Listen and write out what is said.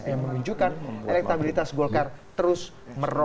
yang menunjukkan elektabilitas golkar terus menurun